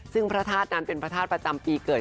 ซึ่งพระธาตุนั้นเป็นพระธาตุประจำปีเกิด